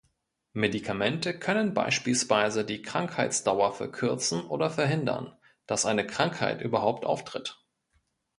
Medikamente können beispielsweise die Krankheitsdauer verkürzen oder verhindern, dass eine Krankheit überhaupt auftritt.